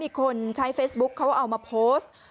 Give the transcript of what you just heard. คนใช้เฟซบุ๊คเขาเอามาโพสต์